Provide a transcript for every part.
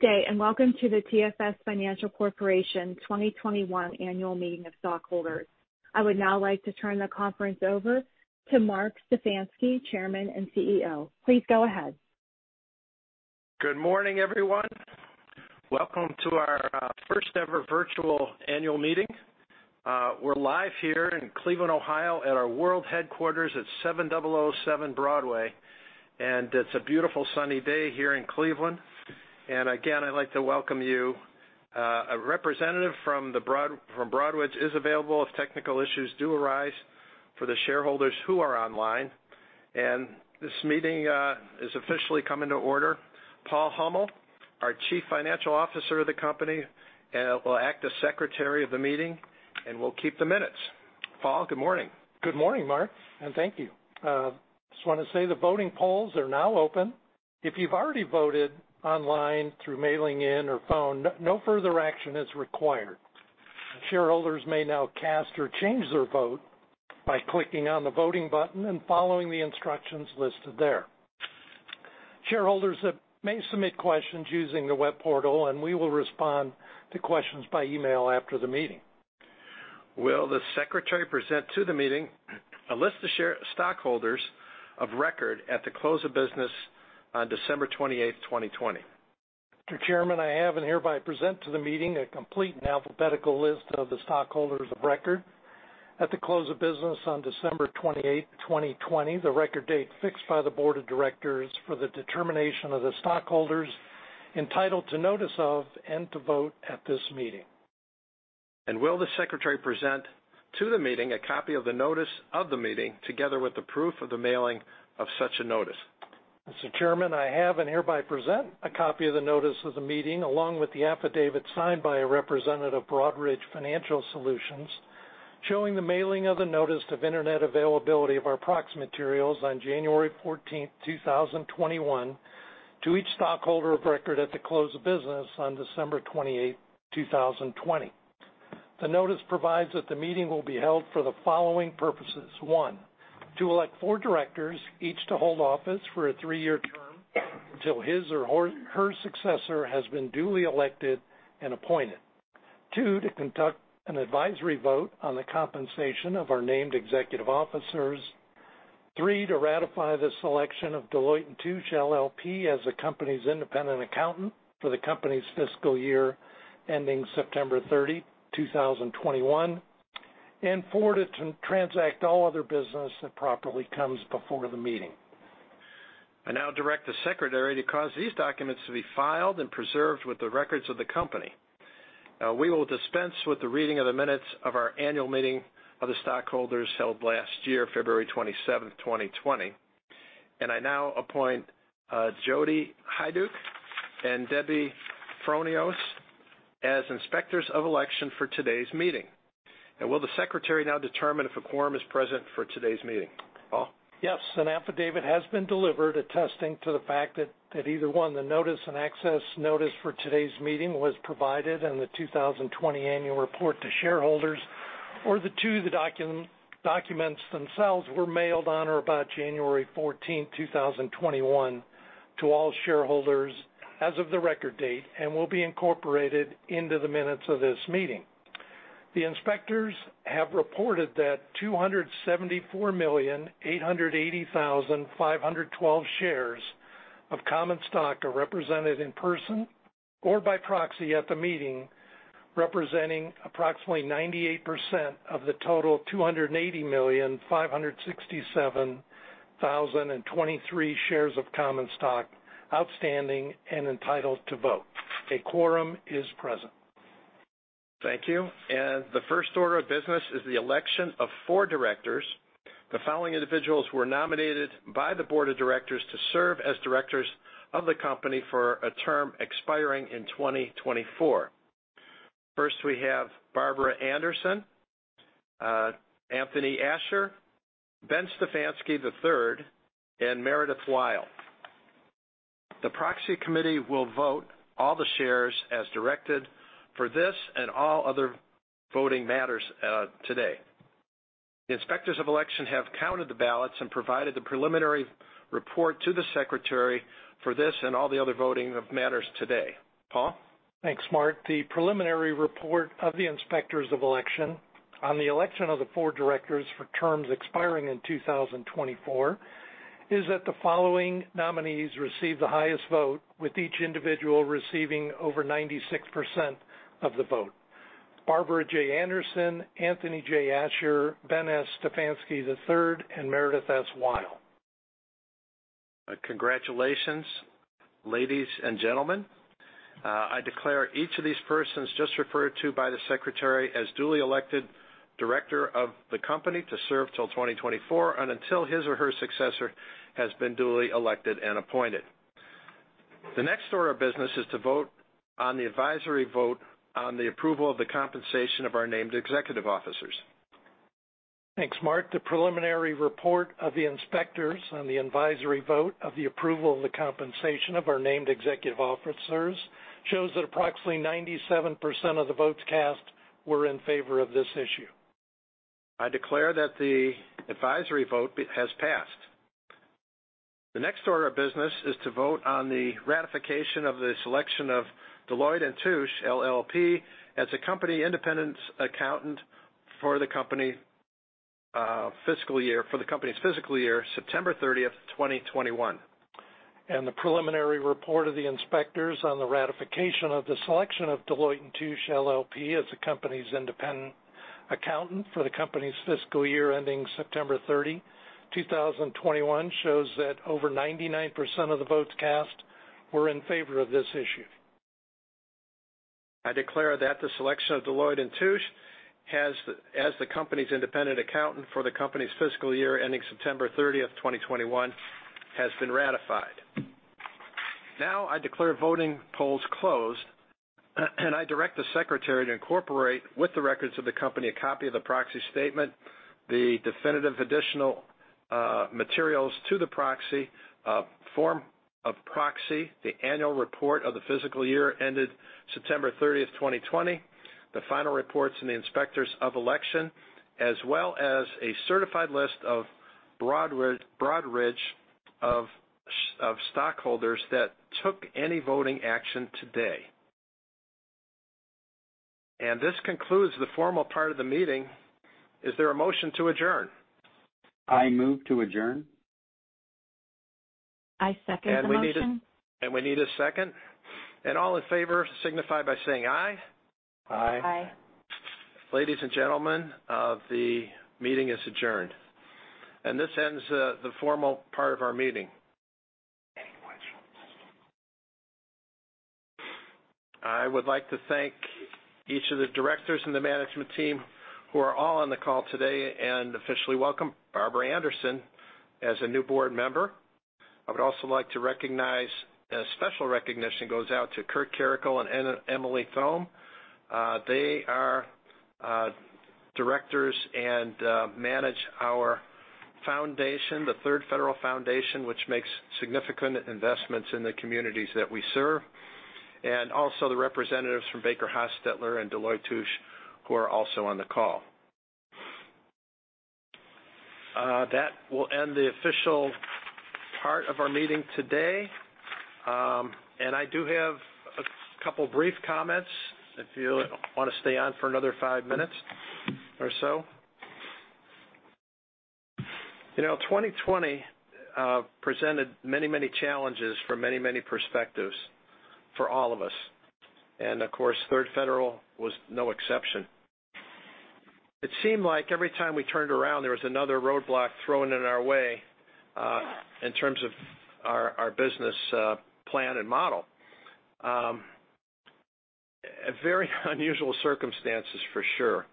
Good day and welcome to the TFS Financial Corporation 2021 Annual Meeting of Stockholders. I would now like to turn the conference over to Marc Stefanski, Chairman and CEO. Please go ahead. Good morning, everyone. Welcome to our first ever virtual annual meeting. We're live here in Cleveland, Ohio, at our world headquarters at 7007 Broadway. It's a beautiful sunny day here in Cleveland. Again, I'd like to welcome you. A representative from Broadridge is available if technical issues do arise for the shareholders who are online. This meeting is officially come into order. Paul Huml, our Chief Financial Officer of the company will act as secretary of the meeting and will keep the minutes. Paul, good morning. Good morning, Marc, and thank you. Just want to say the voting polls are now open. If you've already voted online, through mailing in, or phone, no further action is required. Shareholders may now cast or change their vote by clicking on the voting button and following the instructions listed there. Shareholders may submit questions using the web portal, and we will respond to questions by email after the meeting. Will the secretary present to the meeting a list of stockholders of record at the close of business on December 28th, 2020? Mr. Chairman, I have and hereby present to the meeting a complete and alphabetical list of the stockholders of record at the close of business on December 28th, 2020, the record date fixed by the board of directors for the determination of the stockholders entitled to notice of, and to vote at this meeting. Will the secretary present to the meeting a copy of the notice of the meeting, together with the proof of the mailing of such a notice? Mr. Chairman, I have and hereby present a copy of the notice of the meeting, along with the affidavit signed by a representative, Broadridge Financial Solutions, showing the mailing of the notice of internet availability of our proxy materials on January 14th, 2021, to each stockholder of record at the close of business on December 28th, 2020. The notice provides that the meeting will be held for the following purposes. One, to elect four directors, each to hold office for a three-year term until his or her successor has been duly elected and appointed. Two, to conduct an advisory vote on the compensation of our named executive officers. Three, to ratify the selection of Deloitte & Touche LLP as the company's independent accountant for the company's fiscal year ending September 30, 2021. Four, to transact all other business that properly comes before the meeting. I now direct the secretary to cause these documents to be filed and preserved with the records of the company. We will dispense with the reading of the minutes of our annual meeting of the stockholders held last year, February 27th, 2020. I now appoint Jodi Hajduk and Debbie Fronius as inspectors of election for today's meeting. Will the secretary now determine if a quorum is present for today's meeting? Paul? Yes. An affidavit has been delivered attesting to the fact that either, one, the notice and access notice for today's meeting was provided in the 2020 annual report to shareholders, or that, two, the documents themselves were mailed on or about January 14th, 2021, to all shareholders as of the record date and will be incorporated into the minutes of this meeting. The inspectors have reported that 274,880,512 shares of common stock are represented in person or by proxy at the meeting, representing approximately 98% of the total 280,567,023 shares of common stock outstanding and entitled to vote. A quorum is present. Thank you. The first order of business is the election of four directors. The following individuals were nominated by the board of directors to serve as directors of the company for a term expiring in 2024. First, we have Barbara Anderson, Anthony Asher, Ben Stefanski III, and Meredith Weil. The proxy committee will vote all the shares as directed for this and all other voting matters today. The inspectors of election have counted the ballots and provided the preliminary report to the secretary for this and all the other voting of matters today. Paul? Thanks, Marc. The preliminary report of the inspectors of election on the election of the four directors for terms expiring in 2024 is that the following nominees received the highest vote, with each individual receiving over 96% of the vote. Barbara J. Anderson, Anthony J. Asher, Ben S. Stefanski III, and Meredith S. Weil. Congratulations, ladies and gentlemen. I declare each of these persons just referred to by the secretary as duly elected director of the company to serve till 2024 and until his or her successor has been duly elected and appointed. The next order of business is to vote on the advisory vote on the approval of the compensation of our named executive officers. Thanks, Marc. The preliminary report of the inspectors on the advisory vote of the approval of the compensation of our named executive officers shows that approximately 97% of the votes cast were in favor of this issue. I declare that the advisory vote has passed. The next order of business is to vote on the ratification of the selection of Deloitte & Touche LLP as a company independent accountant for the company's fiscal year September 30th, 2021. The preliminary report of the inspectors on the ratification of the selection of Deloitte & Touche LLP as the company's independent accountant for the company's fiscal year ending September 30, 2021, shows that over 99% of the votes cast were in favor of this issue. I declare that the selection of Deloitte & Touche as the company's independent accountant for the company's fiscal year ending September 30th, 2021, has been ratified. Now I declare voting polls closed, and I direct the Secretary to incorporate with the records of the company a copy of the proxy statement, the definitive additional materials to the proxy, a form of proxy, the annual report of the fiscal year ended September 30th, 2020, the final reports and the inspectors of election, as well as a certified list of Broadridge of stockholders that took any voting action today. This concludes the formal part of the meeting. Is there a motion to adjourn? I move to adjourn. I second the motion. We need a second. All in favor signify by saying aye. Aye. Aye. Aye. Ladies and gentlemen, the meeting is adjourned. This ends the formal part of our meeting. I would like to thank each of the directors and the management team who are all on the call today and officially welcome Barbara Anderson as a new board member. I would also like to recognize, a special recognition goes out to Kurt Karakul and Emily Thome. They are directors and manage our foundation, the Third Federal Foundation, which makes significant investments in the communities that we serve. Also the representatives from BakerHostetler and Deloitte & Touche who are also on the call. That will end the official part of our meeting today. I do have a couple brief comments if you want to stay on for another five minutes or so. 2020 presented many challenges from many perspectives for all of us. Of course, Third Federal was no exception. It seemed like every time we turned around, there was another roadblock thrown in our way in terms of our business plan and model. Very unusual circumstances for sure.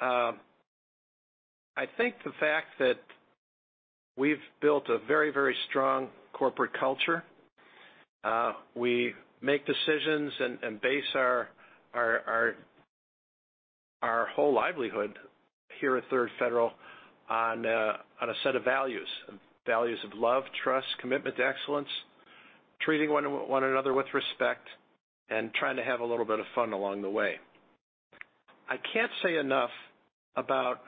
I think the fact that we've built a very strong corporate culture. We make decisions and base our whole livelihood here at Third Federal on a set of values. Values of love, trust, commitment to excellence, treating one another with respect, and trying to have a little bit of fun along the way. I can't say enough about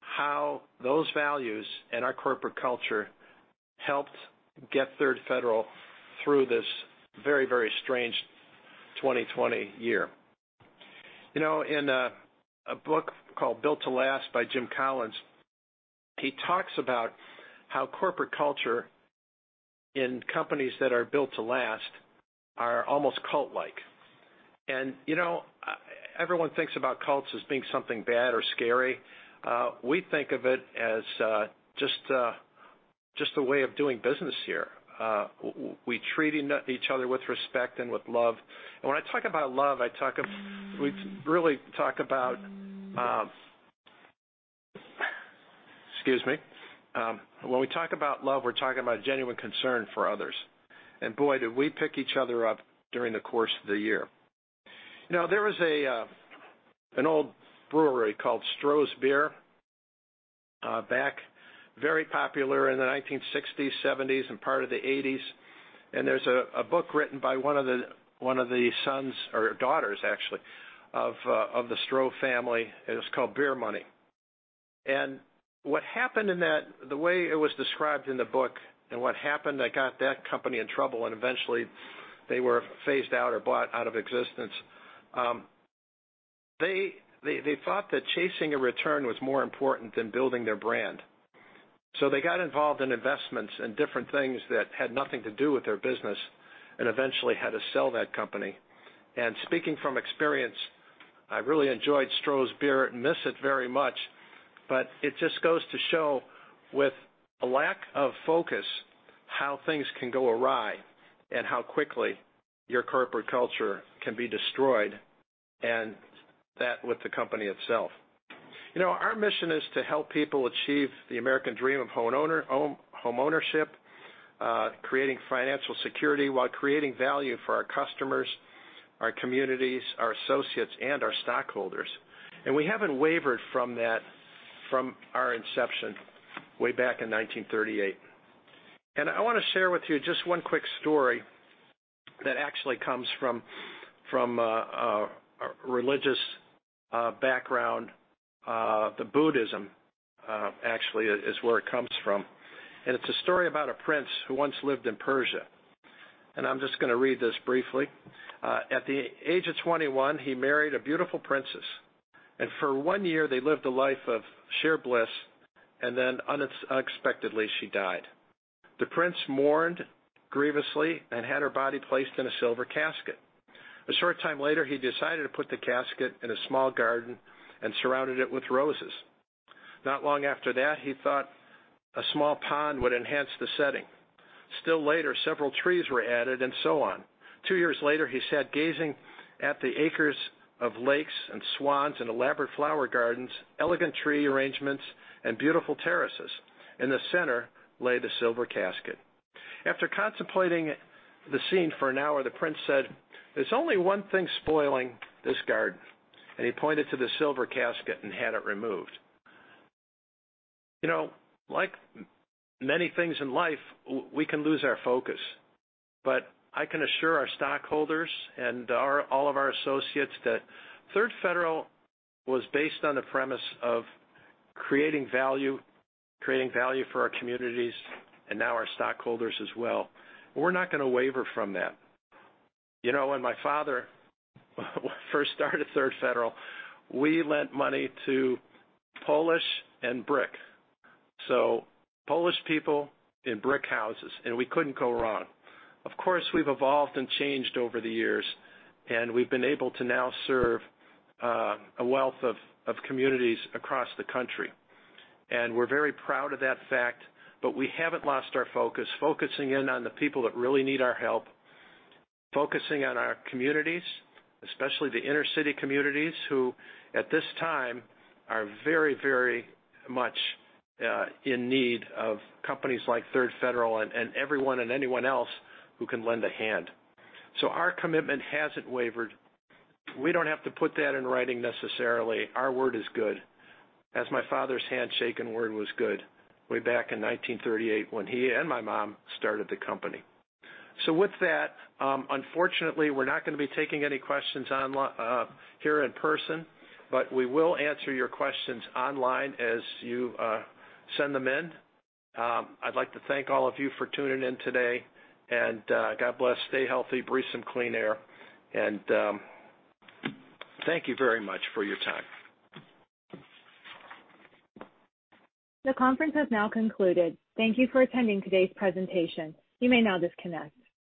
how those values and our corporate culture helped get Third Federal through this very strange 2020 year. In a book called Built to Last by Jim Collins, he talks about how corporate culture in companies that are built to last are almost cult-like. Everyone thinks about cults as being something bad or scary. We think of it as just a way of doing business here. We treating each other with respect and with love. When I talk about love, Excuse me. When we talk about love, we're talking about genuine concern for others. Boy, did we pick each other up during the course of the year. There was an old brewery called Stroh's Beer back, very popular in the 1960s, 1970s, and part of the 1980s. There's a book written by one of the sons, or daughters actually, of the Stroh family. It was called Beer Money. The way it was described in the book and what happened that got that company in trouble and eventually they were phased out or bought out of existence. They thought that chasing a return was more important than building their brand. They got involved in investments and different things that had nothing to do with their business and eventually had to sell that company. Speaking from experience, I really enjoyed Stroh's Beer and miss it very much, but it just goes to show with a lack of focus how things can go awry and how quickly your corporate culture can be destroyed and that with the company itself. Our mission is to help people achieve the American dream of homeownership, creating financial security while creating value for our customers, our communities, our associates, and our stockholders. We haven't wavered from that from our inception way back in 1938. I want to share with you just one quick story that actually comes from a religious background. Buddhism actually is where it comes from. It's a story about a prince who once lived in Persia. I'm just going to read this briefly. At the age of 21, he married a beautiful princess, and for one year they lived a life of sheer bliss, and then unexpectedly she died. The prince mourned grievously and had her body placed in a silver casket. A short time later, he decided to put the casket in a small garden and surrounded it with roses. Not long after that, he thought a small pond would enhance the setting. Still later, several trees were added, and so on. Two years later, he sat gazing at the acres of lakes and swans and elaborate flower gardens, elegant tree arrangements, and beautiful terraces. In the center lay the silver casket. After contemplating the scene for an hour, the prince said, there's only one thing spoiling this garden. He pointed to the silver casket and had it removed. Like many things in life, we can lose our focus. I can assure our stockholders and all of our associates that Third Federal was based on the premise of creating value for our communities, and now our stockholders as well. We're not going to waver from that. When my father first started Third Federal, we lent money to Polish and brick. Polish people in brick houses, and we couldn't go wrong. Of course, we've evolved and changed over the years, and we've been able to now serve a wealth of communities across the country. We're very proud of that fact, but we haven't lost our focus, focusing in on the people that really need our help, focusing on our communities, especially the inner city communities, who at this time are very much in need of companies like Third Federal and everyone and anyone else who can lend a hand. Our commitment hasn't wavered. We don't have to put that in writing necessarily. Our word is good, as my father's handshake and word was good way back in 1938 when he and my mom started the company. With that, unfortunately, we're not going to be taking any questions here in person. We will answer your questions online as you send them in. I'd like to thank all of you for tuning in today, and God bless. Stay healthy, breathe some clean air, and thank you very much for your time. The conference has now concluded. Thank you for attending today's presentation. You may now disconnect.